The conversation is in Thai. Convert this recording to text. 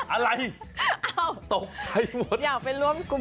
อะไรตกใจหมด